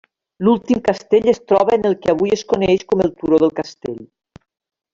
L'últim castell es troba en el que avui es coneix com el turó del castell.